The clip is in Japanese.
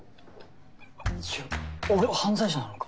じゃあ俺は犯罪者なのか？